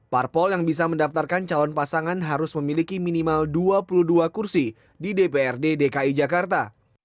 parpol yang bisa mendaftarkan calon pasangan harus memiliki minimal dua puluh dua kursi di dprd dki jakarta